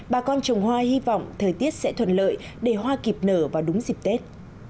bà con trồng hoa hy vọng thời tiết sẽ thuận lợi để hoa kịp nở vào đúng dịp tết